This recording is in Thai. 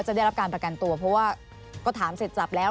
ได้รับการประกันตัวเพราะว่าก็ถามเสร็จจับแล้ว